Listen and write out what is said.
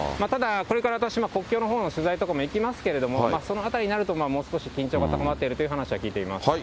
ただこれから私、国境のほうの取材とか行きますけれども、その辺りになると、もう少し緊張が高まっているという話も聞いています。